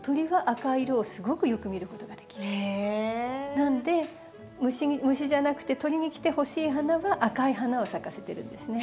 なんで虫じゃなくて鳥に来てほしい花は赤い花を咲かせてるんですね。